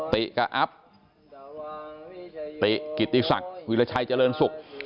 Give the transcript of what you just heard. ติกับอัพติกิติศักดิ์วิราชัยเจริญศุกร์